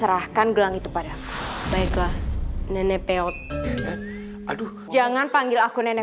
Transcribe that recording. bahkan emang kehilangan emang barang beragam vagy